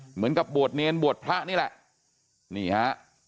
เหมือนกับบวชเนรบวชพระนี่แหละนี่ฮะ